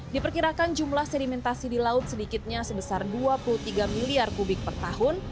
diperkirakan jumlah sedimentasi di laut sedikitnya sebesar dua puluh tiga miliar kubik per tahun